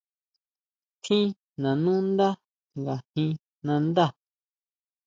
¿Tjin nanú ndá ngajin nandá?